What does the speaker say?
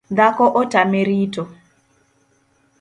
Dhako otame rito